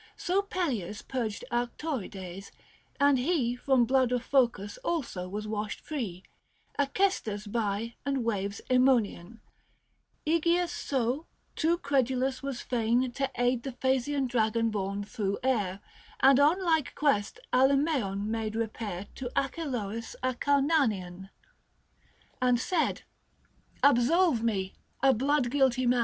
So Peleus purged Actorides ; and he 25 From blood of Phocus also was washed free Acestus by and waves iEruonian ; iEgeus so, too credulous, was fain To aid the Phasian dragon borne thro' air ; And on like quest Alcniaeon made repair 30 To Acheloiis Acarnanian, And said, " Absolve me, a bloodguilty man